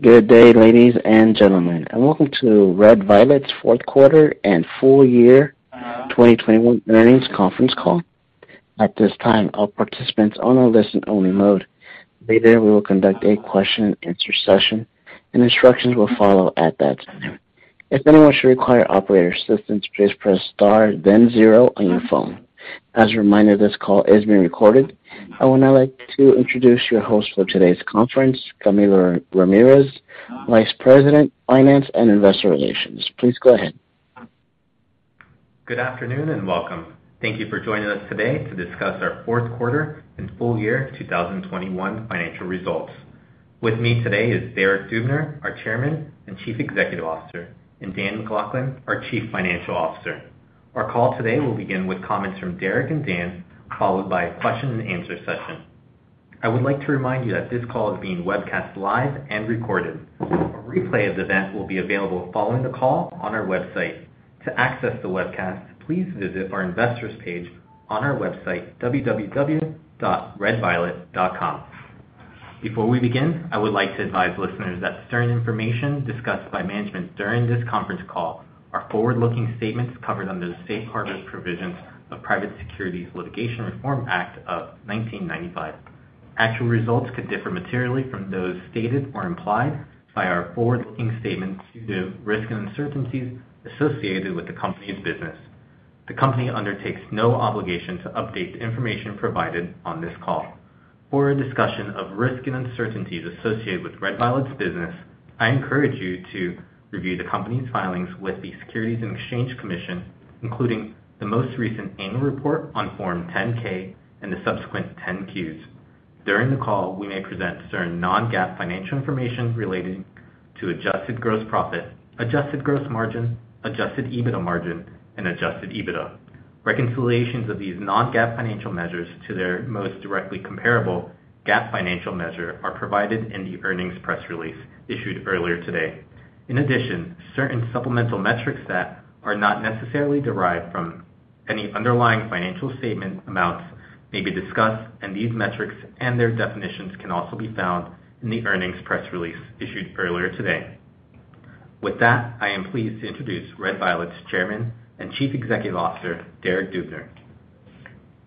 Good day, ladies and gentlemen, and welcome to Red Violet's Fourth Quarter and Full Year 2021 earnings conference call. At this time, all participants are in listen-only mode. Later, we will conduct a question and answer session, and instructions will follow at that time. If anyone should require operator assistance, please press star then zero on your phone. As a reminder, this call is being recorded. I would now like to introduce your host for today's conference, Camilo Ramirez, Vice President, Finance and Investor Relations. Please go ahead. Good afternoon, and welcome. Thank you for joining us today to discuss our Fourth Quarter and Full Year 2021 Financial Results. With me today is Derek Dubner, our Chairman and Chief Executive Officer, and Dan MacLachlan, our Chief Financial Officer. Our call today will begin with comments from Derek and Dan, followed by a question and answer session. I would like to remind you that this call is being webcast live and recorded. A replay of the event will be available following the call on our website. To access the webcast, please visit our investors page on our website, www.redviolet.com. Before we begin, I would like to advise listeners that certain information discussed by management during this conference call are forward-looking statements covered under the safe harbor provisions of Private Securities Litigation Reform Act of 1995. Actual results could differ materially from those stated or implied by our forward-looking statements due to risks and uncertainties associated with the company's business. The company undertakes no obligation to update the information provided on this call. For a discussion of risks and uncertainties associated with Red Violet's business, I encourage you to review the company's filings with the Securities and Exchange Commission, including the most recent annual report on Form 10-K and the subsequent 10-Qs. During the call, we may present certain non-GAAP financial information relating to adjusted gross profit, adjusted gross margin, adjusted EBITDA margin, and adjusted EBITDA. Reconciliations of these non-GAAP financial measures to their most directly comparable GAAP financial measure are provided in the earnings press release issued earlier today. In addition, certain supplemental metrics that are not necessarily derived from any underlying financial statement amounts may be discussed, and these metrics and their definitions can also be found in the earnings press release issued earlier today. With that, I am pleased to introduce Red Violet's Chairman and Chief Executive Officer, Derek Dubner.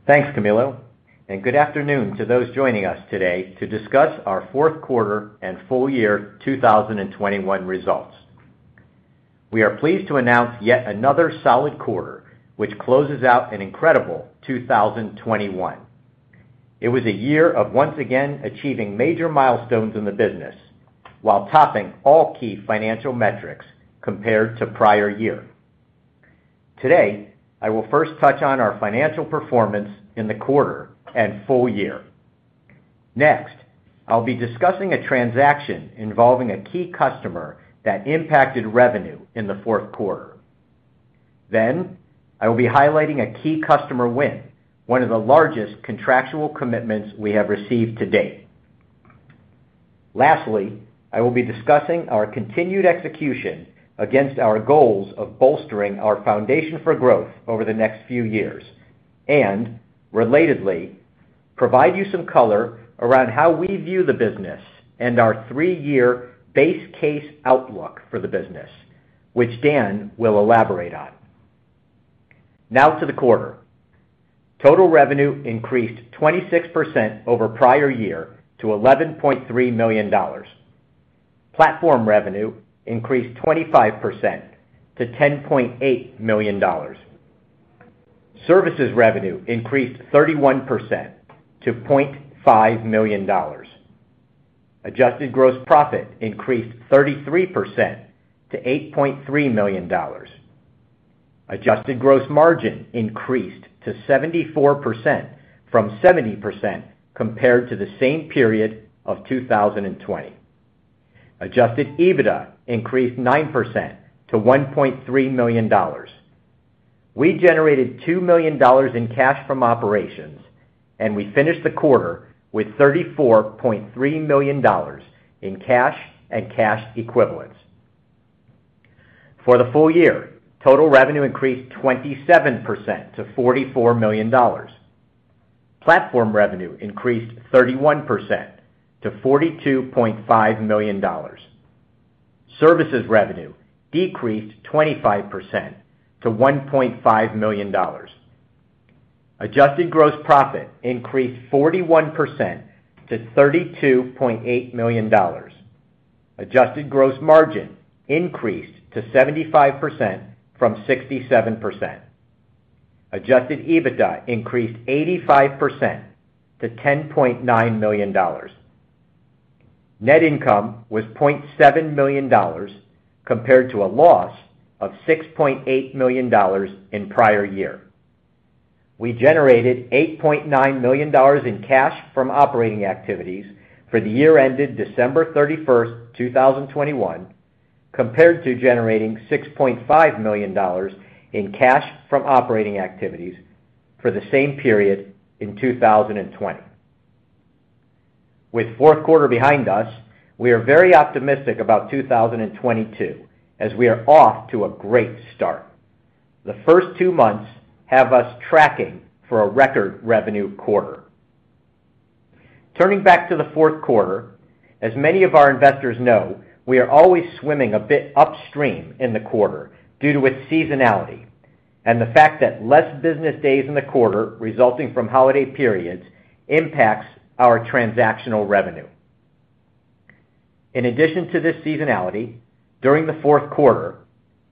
Thanks, Camilo, and good afternoon to those joining us today to discuss our Fourth Quarter and Full Year 2021 Results. We are pleased to announce yet another solid quarter, which closes out an incredible 2021. It was a year of once again achieving major milestones in the business while topping all key financial metrics compared to prior year. Today, I will first touch on our financial performance in the quarter and full year. Next, I'll be discussing a transaction involving a key customer that impacted revenue in the fourth quarter. Then I will be highlighting a key customer win, one of the largest contractual commitments we have received to date. Lastly, I will be discussing our continued execution against our goals of bolstering our foundation for growth over the next few years, and relatedly, provide you some color around how we view the business and our three-year base case outlook for the business, which Dan will elaborate on. Now to the quarter. Total revenue increased 26% over prior year to $11.3 million. Platform revenue increased 25% to $10.8 million. Services revenue increased 31% to $0.5 million. Adjusted gross profit increased 33% to $8.3 million. Adjusted gross margin increased to 74% from 70% compared to the same period of 2020. Adjusted EBITDA increased 9% to $1.3 million. We generated $2 million in cash from operations, and we finished the quarter with $34.3 million in cash and cash equivalents. For the full year, total revenue increased 27% to $44 million. Platform revenue increased 31% to $42.5 million. Services revenue decreased 25% to $1.5 million. Adjusted gross profit increased 41% to $32.8 million. Adjusted gross margin increased to 75% from 67%. Adjusted EBITDA increased 85% to $10.9 million. Net income was $0.7 million compared to a loss of $6.8 million in prior year. We generated $8.9 million in cash from operating activities for the year ended December 31, 2021, compared to generating $6.5 million in cash from operating activities for the same period in 2020. With fourth quarter behind us, we are very optimistic about 2022 as we are off to a great start. The first two months have us tracking for a record revenue quarter. Turning back to the fourth quarter, as many of our investors know, we are always swimming a bit upstream in the quarter due to its seasonality and the fact that less business days in the quarter resulting from holiday periods impacts our transactional revenue. In addition to this seasonality, during the fourth quarter,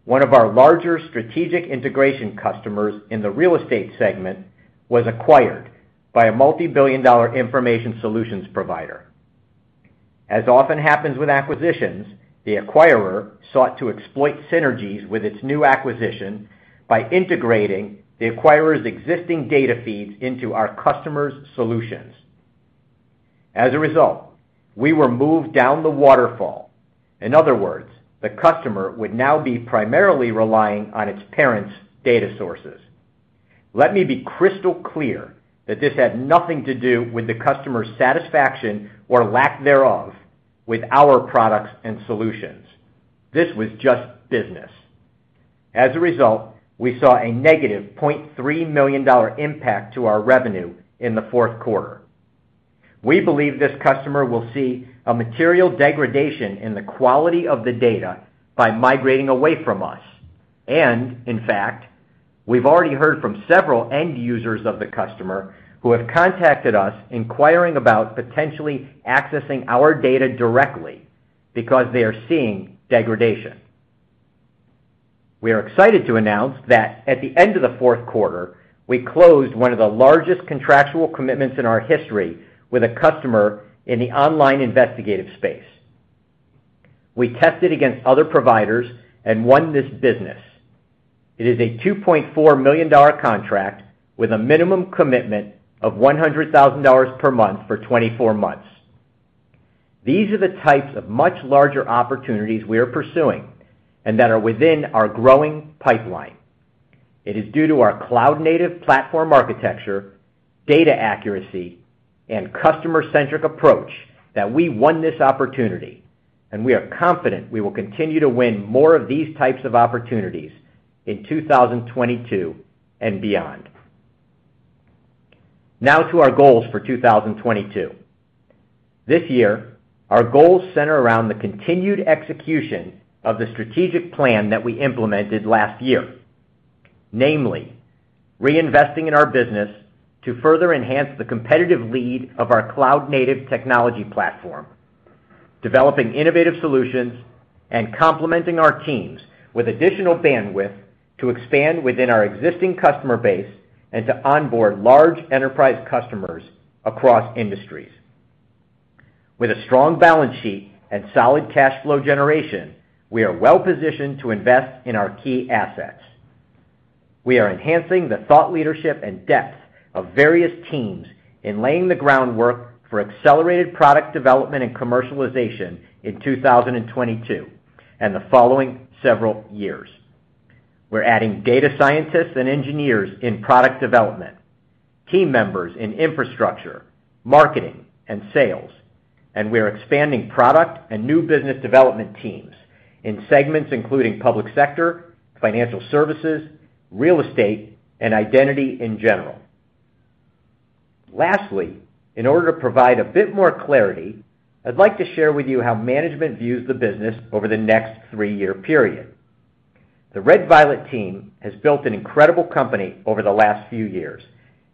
one of our larger strategic integration customers in the real estate segment was acquired by a multi-billion dollar information solutions provider. As often happens with acquisitions, the acquirer sought to exploit synergies with its new acquisition by integrating the acquirer's existing data feeds into our customer's solutions. As a result, we were moved down the waterfall. In other words, the customer would now be primarily relying on its parent's data sources. Let me be crystal clear that this had nothing to do with the customer's satisfaction or lack thereof with our products and solutions. This was just business. As a result, we saw a negative $0.3 million impact to our revenue in the fourth quarter. We believe this customer will see a material degradation in the quality of the data by migrating away from us. In fact, we've already heard from several end users of the customer who have contacted us inquiring about potentially accessing our data directly because they are seeing degradation. We are excited to announce that at the end of the fourth quarter, we closed one of the largest contractual commitments in our history with a customer in the online investigative space. We tested against other providers and won this business. It is a $2.4 million contract with a minimum commitment of $100,000 per month for 24 months. These are the types of much larger opportunities we are pursuing and that are within our growing pipeline. It is due to our cloud-native platform architecture, data accuracy, and customer-centric approach that we won this opportunity, and we are confident we will continue to win more of these types of opportunities in 2022 and beyond. Now to our goals for 2022. This year, our goals center around the continued execution of the strategic plan that we implemented last year, namely, reinvesting in our business to further enhance the competitive lead of our cloud-native technology platform, developing innovative solutions, and complementing our teams with additional bandwidth to expand within our existing customer base and to onboard large enterprise customers across industries. With a strong balance sheet and solid cash flow generation, we are well-positioned to invest in our key assets. We are enhancing the thought leadership and depth of various teams in laying the groundwork for accelerated product development and commercialization in 2022 and the following several years. We're adding data scientists and engineers in product development, team members in infrastructure, marketing, and sales, and we're expanding product and new business development teams in segments including public sector, financial services, real estate, and identity in general. Lastly, in order to provide a bit more clarity, I'd like to share with you how management views the business over the next three-year period. The Red Violet team has built an incredible company over the last few years,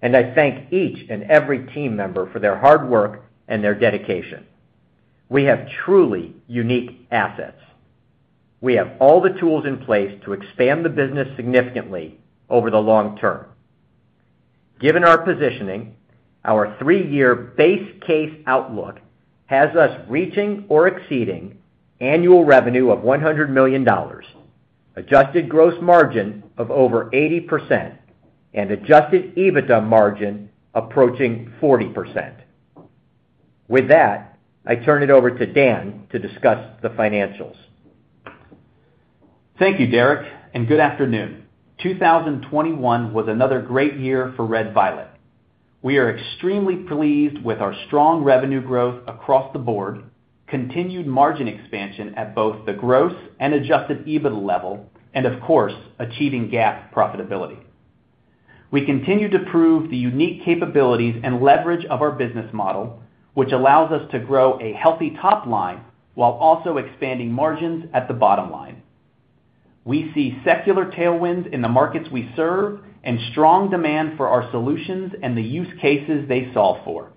and I thank each and every team member for their hard work and their dedication. We have truly unique assets. We have all the tools in place to expand the business significantly over the long term. Given our positioning, our three-year base case outlook has us reaching or exceeding annual revenue of $100 million, adjusted gross margin of over 80%, and adjusted EBITDA margin approaching 40%. With that, I turn it over to Dan to discuss the financials. Thank you, Derek, and good afternoon. 2021 was another great year for Red Violet. We are extremely pleased with our strong revenue growth across the board, continued margin expansion at both the gross and adjusted EBITDA level, and of course, achieving GAAP profitability. We continue to prove the unique capabilities and leverage of our business model, which allows us to grow a healthy top line while also expanding margins at the bottom line. We see secular tailwinds in the markets we serve and strong demand for our solutions and the use cases they solve for.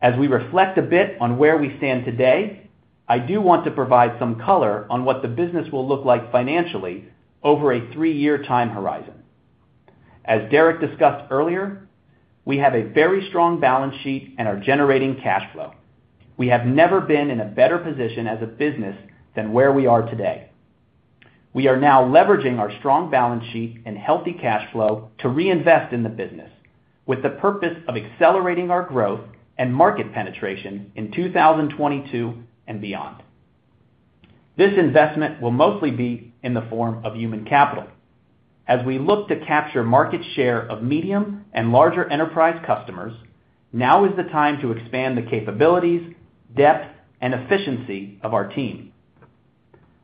As we reflect a bit on where we stand today, I do want to provide some color on what the business will look like financially over a three-year time horizon. As Derek discussed earlier, we have a very strong balance sheet and are generating cash flow. We have never been in a better position as a business than where we are today. We are now leveraging our strong balance sheet and healthy cash flow to reinvest in the business with the purpose of accelerating our growth and market penetration in 2022 and beyond. This investment will mostly be in the form of human capital. As we look to capture market share of medium and larger enterprise customers. Now is the time to expand the capabilities, depth, and efficiency of our team.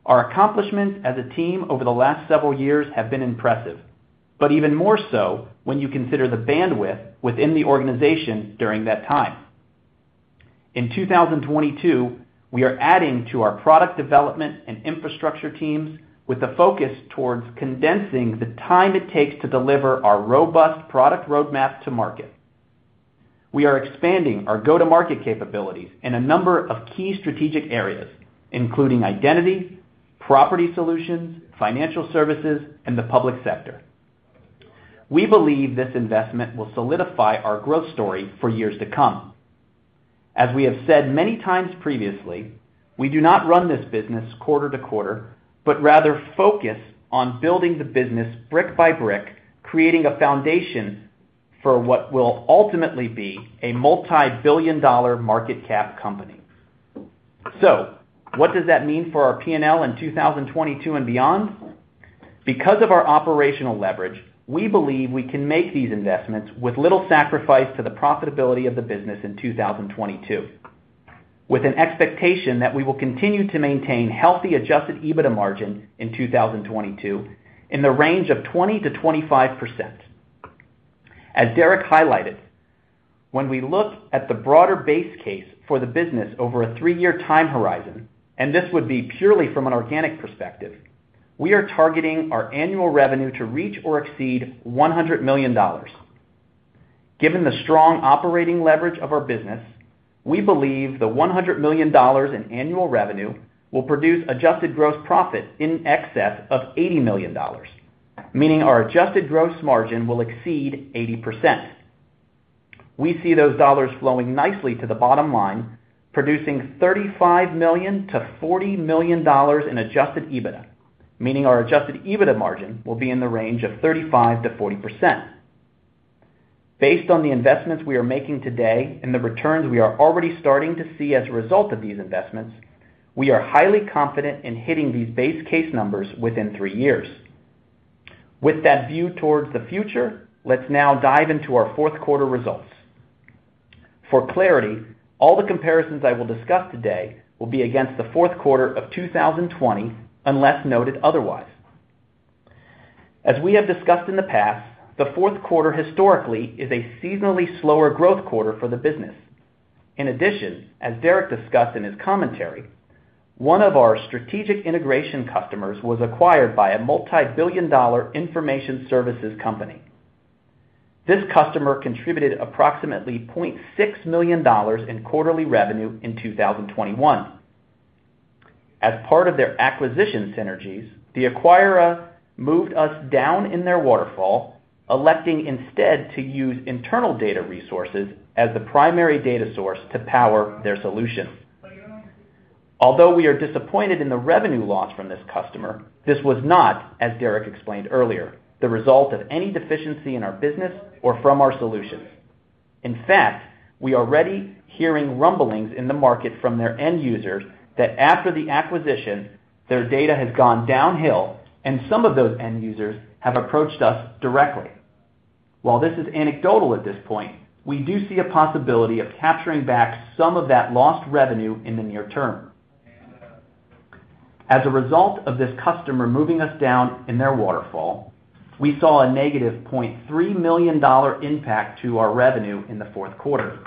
Our accomplishments as a team over the last several years have been impressive, but even more so when you consider the bandwidth within the organization during that time. In 2022, we are adding to our product development and infrastructure teams with a focus towards condensing the time it takes to deliver our robust product roadmap to market. We are expanding our go-to-market capabilities in a number of key strategic areas, including identity, property solutions, financial services, and the public sector. We believe this investment will solidify our growth story for years to come. As we have said many times previously, we do not run this business quarter to quarter, but rather focus on building the business brick by brick, creating a foundation for what will ultimately be a multi-billion dollar market cap company. What does that mean for our P&L in 2022 and beyond? Because of our operational leverage, we believe we can make these investments with little sacrifice to the profitability of the business in 2022, with an expectation that we will continue to maintain healthy adjusted EBITDA margin in 2022 in the range of 20%-25%. As Derek highlighted, when we look at the broader base case for the business over a three-year time horizon, and this would be purely from an organic perspective, we are targeting our annual revenue to reach or exceed $100 million. Given the strong operating leverage of our business, we believe the $100 million in annual revenue will produce adjusted gross profit in excess of $80 million, meaning our adjusted gross margin will exceed 80%. We see those dollars flowing nicely to the bottom line, producing $35 million-$40 million in adjusted EBITDA, meaning our adjusted EBITDA margin will be in the range of 35%-40%. Based on the investments we are making today and the returns we are already starting to see as a result of these investments, we are highly confident in hitting these base case numbers within three years. With that view towards the future, let's now dive into our fourth quarter results. For clarity, all the comparisons I will discuss today will be against the fourth quarter of 2020, unless noted otherwise. As we have discussed in the past, the fourth quarter historically is a seasonally slower growth quarter for the business. In addition, as Derek discussed in his commentary, one of our strategic integration customers was acquired by a multi-billion-dollar information services company. This customer contributed approximately $0.6 million in quarterly revenue in 2021. As part of their acquisition synergies, the acquirer moved us down in their waterfall, electing instead to use internal data resources as the primary data source to power their solution. Although we are disappointed in the revenue loss from this customer, this was not, as Derek explained earlier, the result of any deficiency in our business or from our solutions. In fact, we are already hearing rumblings in the market from their end users that after the acquisition, their data has gone downhill and some of those end users have approached us directly. While this is anecdotal at this point, we do see a possibility of capturing back some of that lost revenue in the near term. As a result of this customer moving us down in their waterfall, we saw a negative $0.3 million impact to our revenue in the fourth quarter.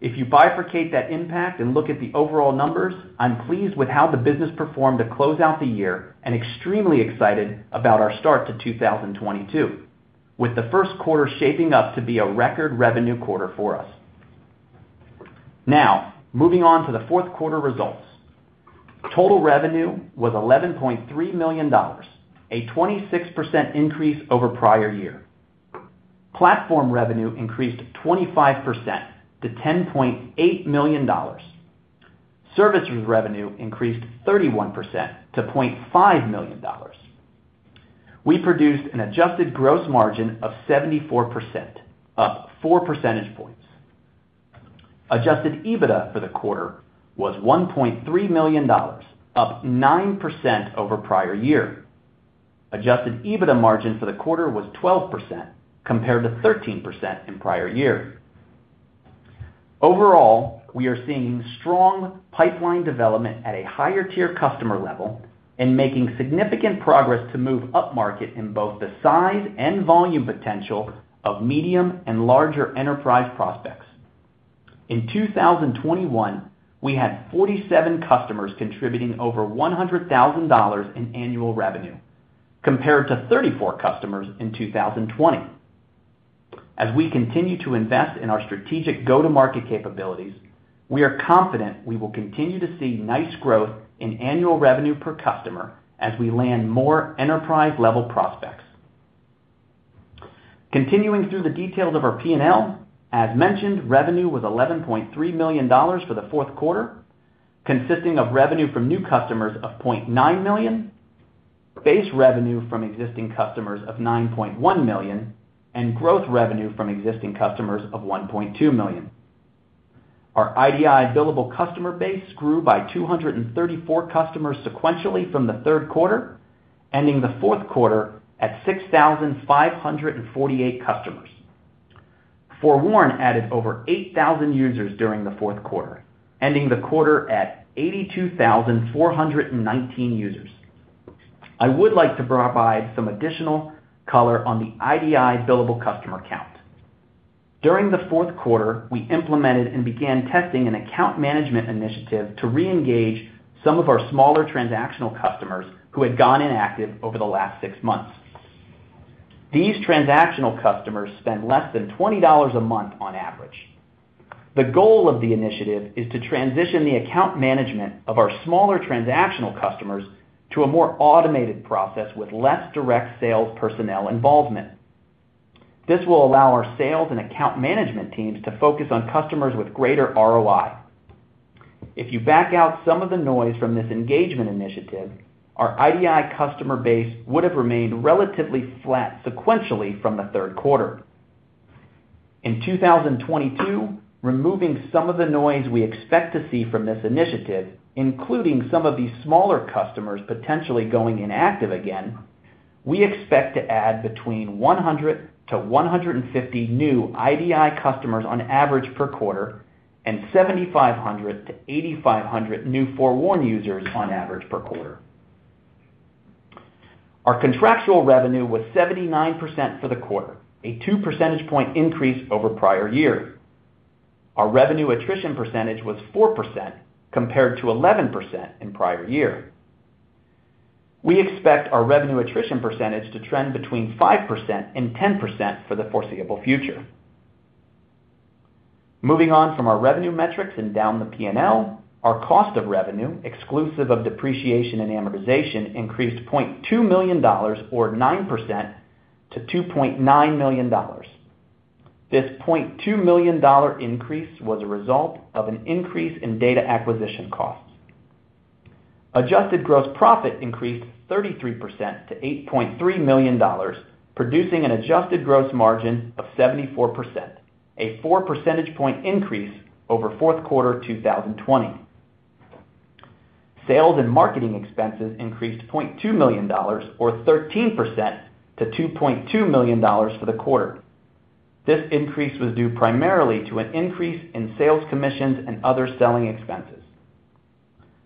If you bifurcate that impact and look at the overall numbers, I'm pleased with how the business performed to close out the year and extremely excited about our start to 2022, with the first quarter shaping up to be a record revenue quarter for us. Now, moving on to the fourth quarter results. Total revenue was $11.3 million, a 26% increase over prior year. Platform revenue increased 25% to $10.8 million. Services revenue increased 31% to $0.5 million. We produced an adjusted gross margin of 74%, up 4 percentage points. Adjusted EBITDA for the quarter was $1.3 million, up 9% over prior year. Adjusted EBITDA margin for the quarter was 12% compared to 13% in prior year. Overall, we are seeing strong pipeline development at a higher tier customer level and making significant progress to move upmarket in both the size and volume potential of medium and larger enterprise prospects. In 2021, we had 47 customers contributing over $100,000 in annual revenue compared to 34 customers in 2020. As we continue to invest in our strategic go-to-market capabilities, we are confident we will continue to see nice growth in annual revenue per customer as we land more enterprise-level prospects. Continuing through the details of our P&L, as mentioned, revenue was $11.3 million for the fourth quarter, consisting of revenue from new customers of $0.9 million, base revenue from existing customers of $9.1 million, and growth revenue from existing customers of $1.2 million. Our IDI billable customer base grew by 234 customers sequentially from the third quarter, ending the fourth quarter at 6,548 customers. FOREWARN added over 8,000 users during the fourth quarter, ending the quarter at 82,419 users. I would like to provide some additional color on the IDI billable customer count. During the fourth quarter, we implemented and began testing an account management initiative to re-engage some of our smaller transactional customers who had gone inactive over the last six months. These transactional customers spend less than $20 a month on average. The goal of the initiative is to transition the account management of our smaller transactional customers to a more automated process with less direct sales personnel involvement. This will allow our sales and account management teams to focus on customers with greater ROI. If you back out some of the noise from this engagement initiative, our IDI customer base would have remained relatively flat sequentially from the third quarter. In 2022, removing some of the noise we expect to see from this initiative, including some of these smaller customers potentially going inactive again, we expect to add between 100 to 150 new IDI customers on average per quarter, and 7,500 to 8,500 new FOREWARN users on average per quarter. Our contractual revenue was 79% for the quarter, a 2 percentage point increase over prior year. Our revenue attrition percentage was 4% compared to 11% in prior year. We expect our revenue attrition percentage to trend between 5%-10% for the foreseeable future. Moving on from our revenue metrics and down the P&L, our cost of revenue, exclusive of depreciation and amortization, increased $0.2 million or 9% to $2.9 million. This $0.2 million dollar increase was a result of an increase in data acquisition costs. Adjusted gross profit increased 33% to $8.3 million, producing an adjusted gross margin of 74%, a 4 percentage point increase over fourth quarter 2020. Sales and marketing expenses increased $0.2 million or 13% to $2.2 million for the quarter. This increase was due primarily to an increase in sales commissions and other selling expenses.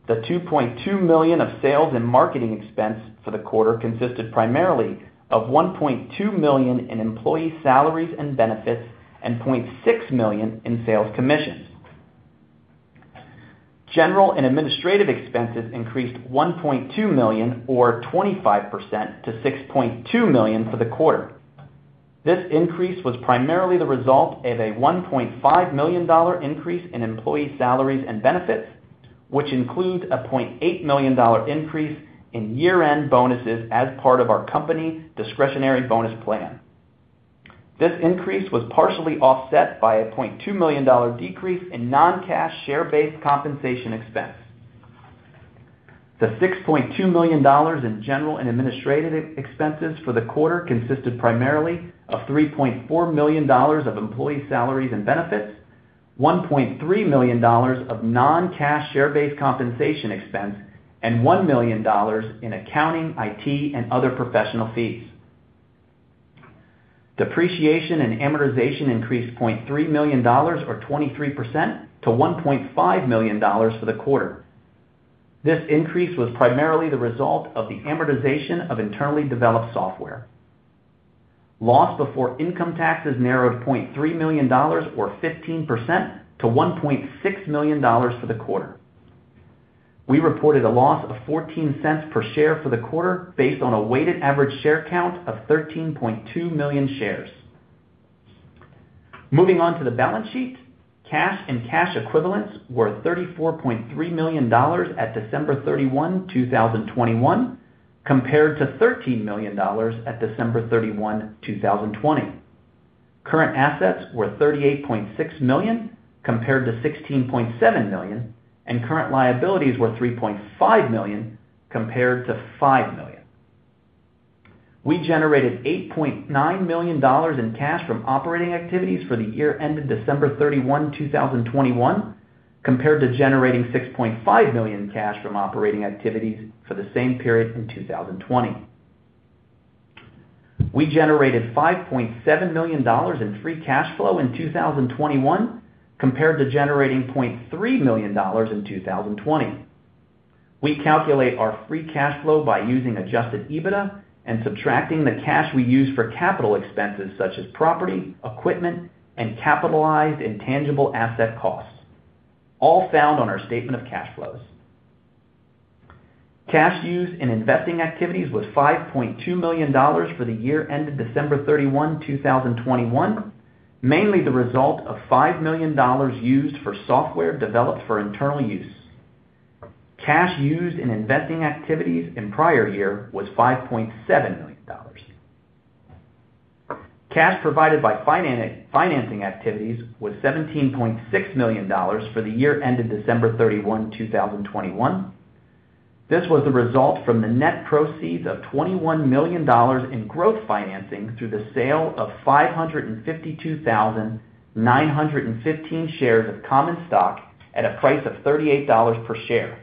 The $2.2 million of sales and marketing expense for the quarter consisted primarily of $1.2 million in employee salaries and benefits and $0.6 million in sales commissions. General and administrative expenses increased $1.2 million or 25% to $6.2 million for the quarter. This increase was primarily the result of a $1.5 million increase in employee salaries and benefits, which includes a $0.8 million increase in year-end bonuses as part of our company discretionary bonus plan. This increase was partially offset by a $0.2 million decrease in non-cash share-based compensation expense. The $6.2 million in general and administrative expenses for the quarter consisted primarily of $3.4 million of employee salaries and benefits, $1.3 million of non-cash share-based compensation expense, and $1 million in accounting, IT, and other professional fees. Depreciation and amortization increased $0.3 million or 23% to $1.5 million for the quarter. This increase was primarily the result of the amortization of internally developed software. Loss before income taxes narrowed $0.3 million or 15% to $1.6 million for the quarter. We reported a loss of $0.14 per share for the quarter based on a weighted average share count of 13.2 million shares. Moving on to the balance sheet. Cash and cash equivalents were $34.3 million at December 31, 2021, compared to $13 million at December 31, 2020. Current assets were $38.6 million compared to $16.7 million, and current liabilities were $3.5 million compared to $5 million. We generated $8.9 million in cash from operating activities for the year ended December 31, 2021, compared to generating $6.5 million in cash from operating activities for the same period in 2020. We generated $5.7 million in free cash flow in 2021 compared to generating $0.3 million in 2020. We calculate our free cash flow by using adjusted EBITDA and subtracting the cash we use for capital expenses such as property, equipment, and capitalized intangible asset costs, all found on our statement of cash flows. Cash used in investing activities was $5.2 million for the year ended December 31, 2021, mainly the result of $5 million used for software developed for internal use. Cash used in investing activities in prior year was $5.7 million. Cash provided by financing activities was $17.6 million for the year ended December 31, 2021. This was the result from the net proceeds of $21 million in growth financing through the sale of 552,915 shares of common stock at a price of $38 per share.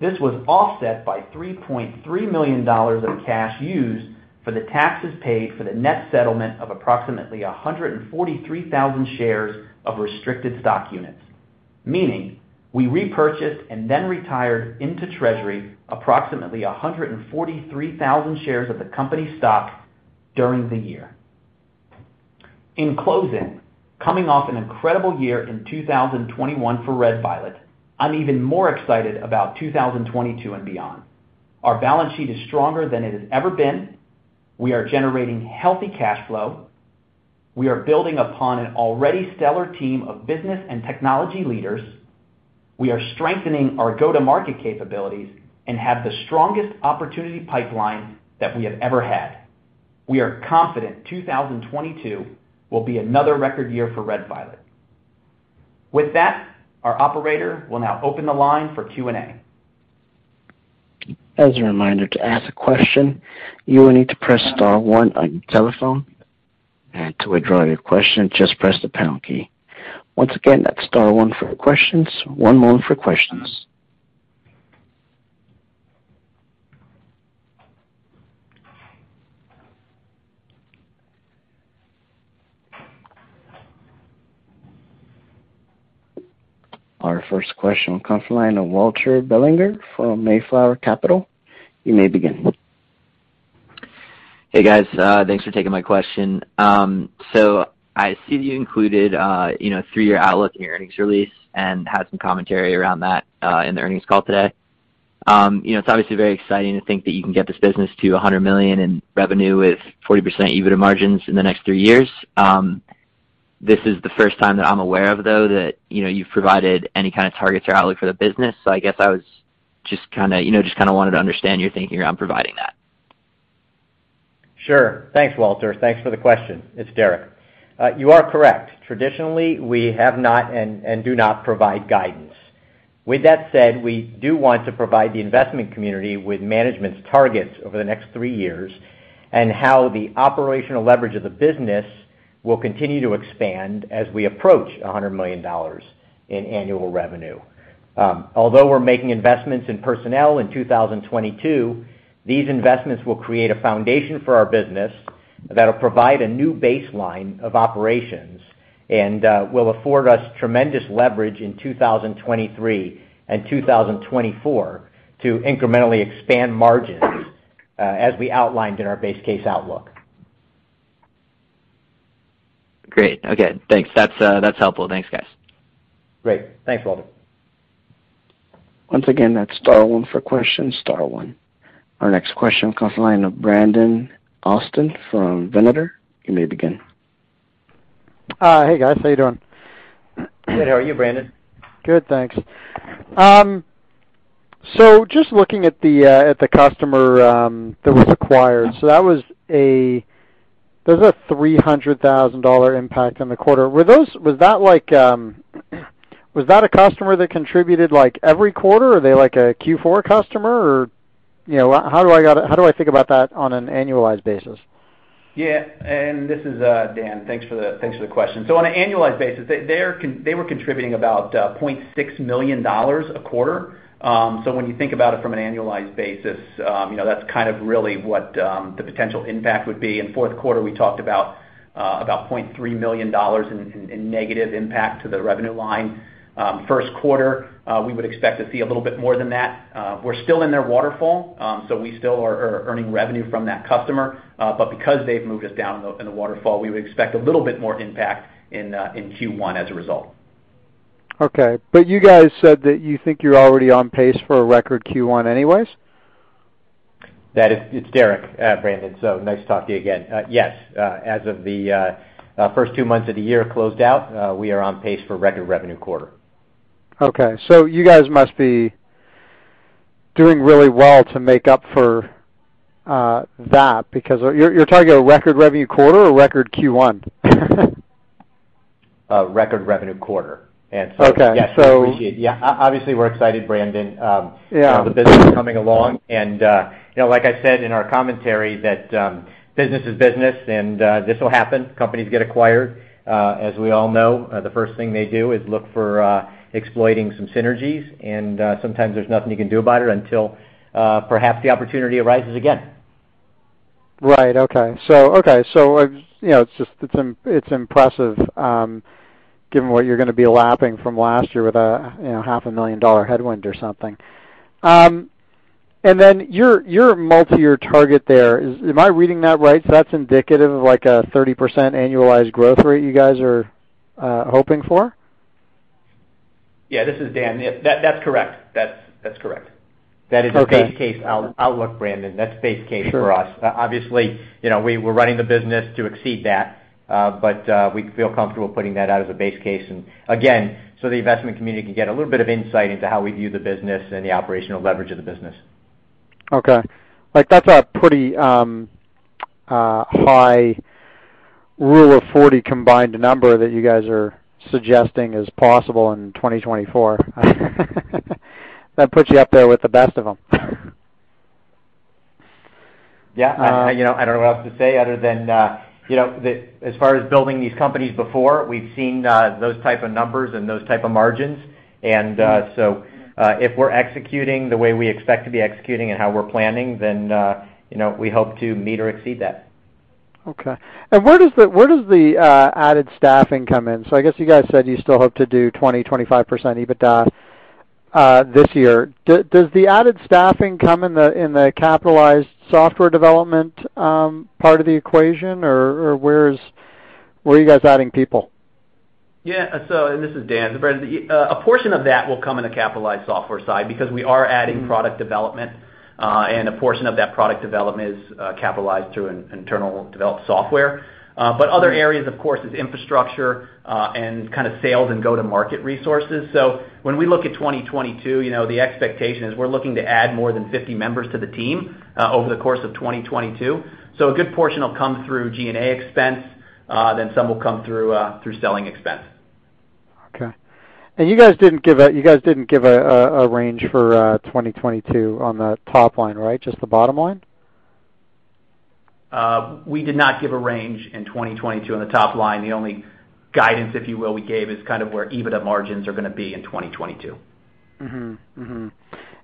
This was offset by $3.3 million of cash used for the taxes paid for the net settlement of approximately 143,000 shares of restricted stock units, meaning we repurchased and then retired into treasury approximately 143,000 shares of the company stock during the year. In closing, coming off an incredible year in 2021 for Red Violet, I'm even more excited about 2022 and beyond. Our balance sheet is stronger than it has ever been. We are generating healthy cash flow. We are building upon an already stellar team of business and technology leaders. We are strengthening our go-to-market capabilities and have the strongest opportunity pipeline that we have ever had. We are confident 2022 will be another record year for Red Violet. With that, our operator will now open the line for Q&A. As a reminder, to ask a question, you will need to press star one on your telephone. To withdraw your question, just press the pound key. Once again, that's star one for questions. One moment for questions. Our first question comes from the line of [Walter Bellinger] from Mayflower Capital. You may begin. Hey, guys. Thanks for taking my question. So I see that you included, you know, three-year outlook in your earnings release and had some commentary around that, in the earnings call today. You know, it's obviously very exciting to think that you can get this business to $100 million in revenue with 40% EBITDA margins in the next three years. This is the first time that I'm aware of, though, that, you know, you've provided any kind of targets or outlook for the business. I guess I was just kinda, you know, wanted to understand your thinking around providing that. Sure. Thanks, Walter. Thanks for the question. It's Derek. You are correct. Traditionally, we have not and do not provide guidance. With that said, we do want to provide the investment community with management's targets over the next three years and how the operational leverage of the business will continue to expand as we approach $100 million in annual revenue. Although we're making investments in personnel in 2022, these investments will create a foundation for our business that'll provide a new baseline of operations and will afford us tremendous leverage in 2023 and 2024 to incrementally expand margins, as we outlined in our base case outlook. Great. Okay, thanks. That's helpful. Thanks, guys. Great. Thanks, Walter. Once again, that's star one for questions, star one. Our next question comes from the line of Brandon Osten from Venator. You may begin. Hey, guys. How you doing? Good. How are you, Brandon? Good, thanks. Just looking at the customer that was acquired, there's a $300,000 impact on the quarter. Was that, like, a customer that contributed, like, every quarter? Are they like a Q4 customer or how do I think about that on an annualized basis? This is Dan. Thanks for the question. On an annualized basis, they were contributing about $0.6 million a quarter. When you think about it from an annualized basis, you know, that's kind of really what the potential impact would be. In fourth quarter, we talked about $0.3 million in negative impact to the revenue line. First quarter, we would expect to see a little bit more than that. We're still in their waterfall, so we still are earning revenue from that customer. Because they've moved us down in the waterfall, we would expect a little bit more impact in Q1 as a result. Okay. You guys said that you think you're already on pace for a record Q1 anyways. It's Derek, Brandon, so nice to talk to you again. Yes, as of the first two months of the year closed out, we are on pace for record revenue quarter. Okay. You guys must be doing really well to make up for that because you're targeting a record revenue quarter or record Q1? A record revenue quarter. Okay. Yes, we appreciate. Yeah. Obviously, we're excited, Brandon. Yeah. The business is coming along and, you know, like I said in our commentary that business is business and this will happen. Companies get acquired. As we all know, the first thing they do is look for exploiting some synergies and sometimes there's nothing you can do about it until perhaps the opportunity arises again. Right. Okay. You know, it's impressive, given what you're gonna be lapping from last year with a you know half a million dollar headwind or something. Your multi-year target there is. Am I reading that right? That's indicative of, like, a 30% annualized growth rate you guys are hoping for? Yeah. This is Dan. Yep. That's correct. That's correct. Okay. That is the base case outlook, Brandon. That's base case for us. Sure. Obviously, you know, we're running the business to exceed that, but we feel comfortable putting that out as a base case. Again, so the investment community can get a little bit of insight into how we view the business and the operational leverage of the business. Okay. Like, that's a pretty high Rule of 40 combined number that you guys are suggesting is possible in 2024. That puts you up there with the best of them. Yeah. You know, I don't know what else to say other than, you know, as far as building these companies before, we've seen those type of numbers and those type of margins. If we're executing the way we expect to be executing and how we're planning, then, you know, we hope to meet or exceed that. Okay. Where does the added staffing come in? I guess you guys said you still hope to do 20-25% EBITDA this year. Does the added staffing come in the capitalized software development part of the equation or where are you guys adding people? This is Dan. Brandon, a portion of that will come in the capitalized software side because we are adding product development, and a portion of that product development is capitalized through an internal developed software. But other areas, of course, is infrastructure, and kind of sales and go-to-market resources. When we look at 2022, you know, the expectation is we're looking to add more than 50 members to the team over the course of 2022. A good portion will come through G&A expense, then some will come through selling expense. Okay. You guys didn't give a range for 2022 on the top line, right? Just the bottom line? We did not give a range in 2022 on the top line. The only guidance, if you will, we gave, is kind of where EBITDA margins are gonna be in 2022. Mm-hmm.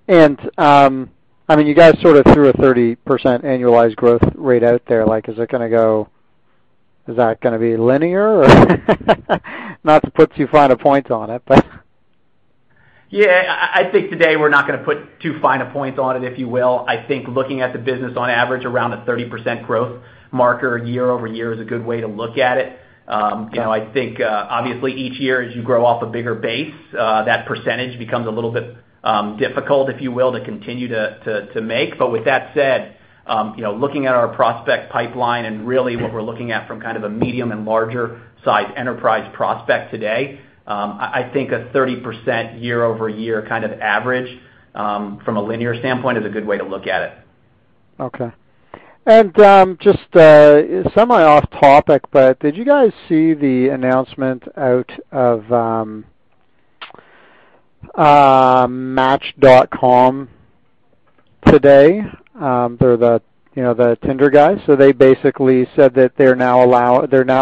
Mm-hmm. I mean, you guys sort of threw a 30% annualized growth rate out there. Like, is that gonna be linear? Not to put too fine a point on it, but. Yeah. I think today we're not gonna put too fine a point on it, if you will. I think looking at the business on average around a 30% growth marker year over year is a good way to look at it. You know, I think obviously each year, as you grow off a bigger base, that percentage becomes a little bit difficult, if you will, to continue to make. With that said, you know, looking at our prospect pipeline and really what we're looking at from kind of a medium and larger size enterprise prospect today, I think a 30% year over year kind of average from a linear standpoint is a good way to look at it. Okay. Just somewhat off topic, but did you guys see the announcement out of Match.com today? They're the, you know, the Tinder guys. They basically said that they're now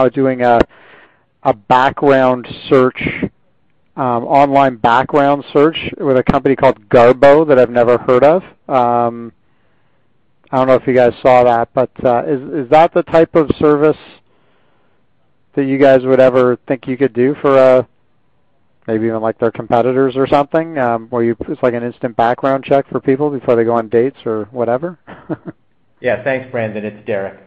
doing a background search, online background search with a company called Garbo that I've never heard of. I don't know if you guys saw that, but is that the type of service that you guys would ever think you could do for, maybe even like their competitors or something? It's like an instant background check for people before they go on dates or whatever. Yeah. Thanks, Brandon. It's Derek.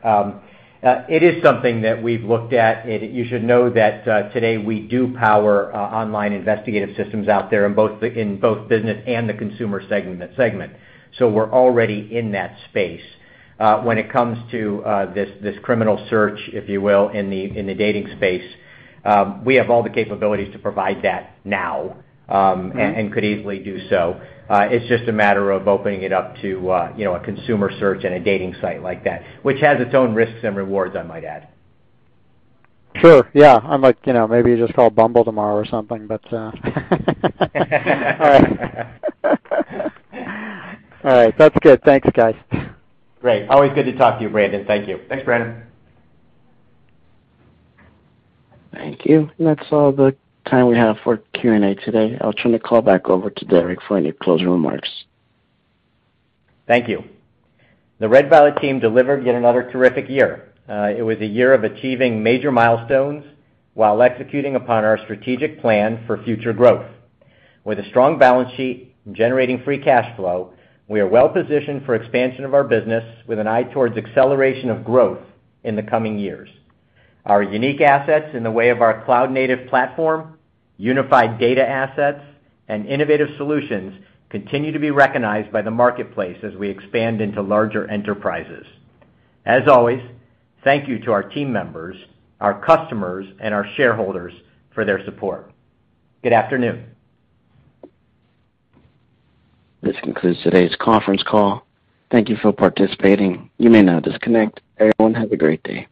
It is something that we've looked at. You should know that today we power online investigative systems out there in both business and the consumer segment. So we're already in that space. When it comes to this criminal search, if you will, in the dating space, we have all the capabilities to provide that now. Mm-hmm could easily do so. It's just a matter of opening it up to, you know, a consumer search in a dating site like that, which has its own risks and rewards, I might add. Sure. Yeah. I'm like, you know, maybe you just call Bumble tomorrow or something, but, All right. That's good. Thanks, guys. Great. Always good to talk to you, Brandon. Thank you. Thanks, Brandon. Thank you. That's all the time we have for Q&A today. I'll turn the call back over to Derek for any closing remarks. Thank you. The Red Violet team delivered yet another terrific year. It was a year of achieving major milestones while executing upon our strategic plan for future growth. With a strong balance sheet generating free cash flow, we are well positioned for expansion of our business with an eye towards acceleration of growth in the coming years. Our unique assets in the way of our cloud-native platform, unified data assets, and innovative solutions continue to be recognized by the marketplace as we expand into larger enterprises. As always, thank you to our team members, our customers, and our shareholders for their support. Good afternoon. This concludes today's conference call. Thank you for participating. You may now disconnect. Everyone, have a great day.